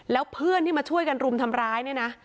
แล้วเพื่อนที่มาช่วยกันรุมทำร้ายเนี่ยนะ